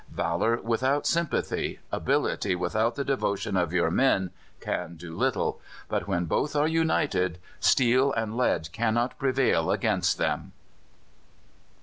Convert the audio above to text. Valour without sympathy, ability without the devotion of your men, can do little; but when both are united, steel and lead cannot prevail against them.